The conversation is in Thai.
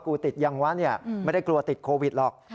กูติดยังวะไม่ได้กลัวติดโควิดหรอก